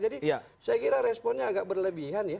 jadi saya kira responnya agak berlebihan ya